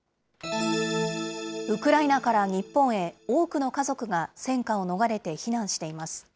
ウクライナから日本へ、多くの家族が戦火を逃れて避難しています。